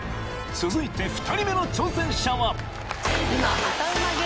続いて２人目の挑戦者は今歌うま